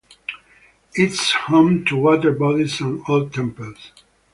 It is home to water bodies and old temples.